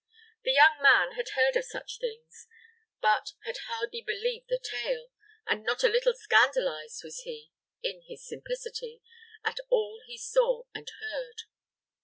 The young man had heard of such things, but had hardly believed the tale; and not a little scandalized was he, in his simplicity, at all he saw and heard.